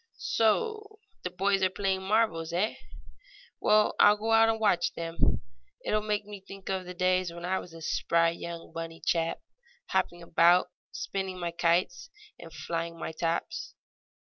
"So the boys are playing marbles, eh? Well, I'll go out and watch them. It will make me think of the days when I was a spry young bunny chap, hopping about, spinning my kites and flying my tops."